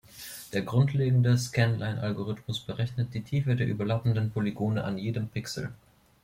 Der grundlegende Scanline-Algorithmus berechnet die Tiefe der überlappenden Polygone an jedem Pixel.